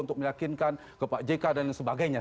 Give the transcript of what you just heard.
untuk meyakinkan ke pak jk dan sebagainya